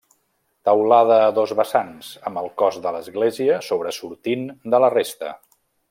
Teulada a dos vessants, amb el cos de l'església sobresortint de la resta.